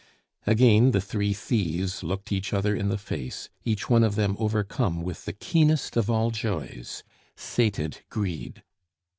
Again the three thieves looked each other in the face, each one of them overcome with the keenest of all joys sated greed.